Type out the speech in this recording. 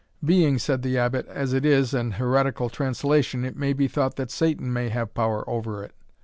"Being," said the Abbot, "as it is, an heretical translation, it may be thought that Satan may have power over it."